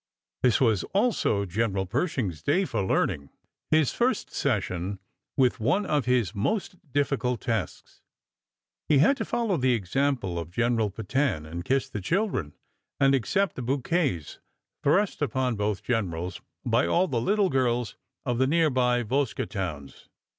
This was also General Pershing's day for learning his first session with one of his most difficult tasks. He had to follow the example of General Petain, and kiss the children, and accept the bouquets thrust upon both generals by all the little girls of the near by Vosges towns.